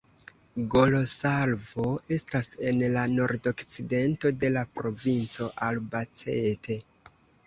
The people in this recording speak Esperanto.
Golosalvo estas en la nordokcidento de la provinco Albacete.